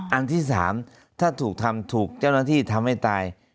อันที่๓ถ้าถูกทำถูกเจ้าหน้าที่ทำให้ตาย